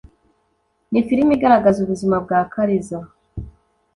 ni filimi igaragaza ubuzima bwa ‘Kaliza’